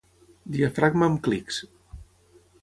Diafragma amb clics.